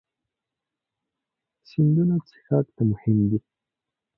سیندونه څښاک ته مهم دي.